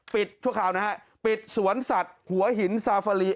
ชั่วคราวนะฮะปิดสวนสัตว์หัวหินซาฟาลี